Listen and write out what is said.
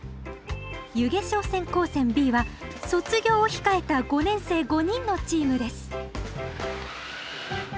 弓削商船高専Ｂは卒業を控えた５年生５人のチームです